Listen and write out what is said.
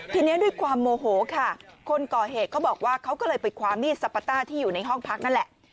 ทีนี้ด้วยความโมโหค่ะคนก่อเหตุเขาบอกว่าเขาก็เลยไปคว้ามีดสปาต้าที่อยู่ในห้องพักนั่นแหละ